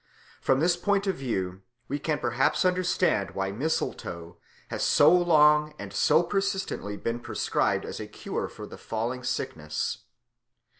From this point of view we can perhaps understand why mistletoe has so long and so persistently been prescribed as a cure for the falling sickness.